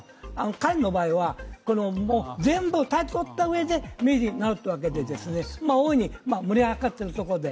彼の場合は全部タイトルをとったうえで名人になるわけで大いに、盛り上がってるところで